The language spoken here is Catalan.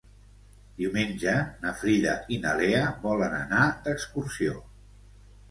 Diumenge na Frida i na Lea volen anar d'excursió.